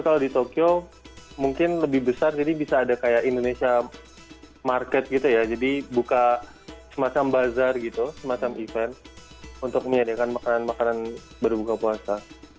kalau di tokyo mungkin lebih besar jadi bisa ada kayak indonesia market gitu ya jadi buka semacam bazar gitu semacam event untuk menyediakan makanan makanan berbuka puasa